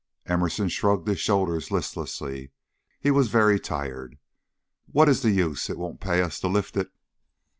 Emerson shrugged his shoulders listlessly; he was very tired. "What is the use? It won't pay us to lift it."